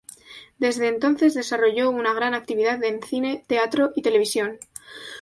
Desde entonces, desarrolló una gran actividad en cine, teatro y televisión.